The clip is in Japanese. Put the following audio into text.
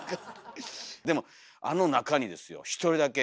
でもあの中にですよ一人だけ。